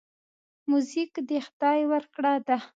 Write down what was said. موزیک د خدای ورکړه ده.